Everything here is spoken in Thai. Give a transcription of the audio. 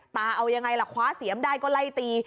เอายังไงล่ะคว้าเสียมได้ก็ไล่ตี